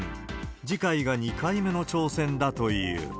次回が２回目の挑戦だという。